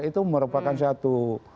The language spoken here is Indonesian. itu merupakan satu